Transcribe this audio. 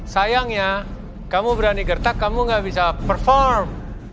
sayangnya kamu berani gertak kamu gak bisa perform